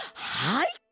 はい！